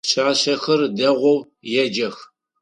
Пшъашъэхэр дэгъоу еджэх.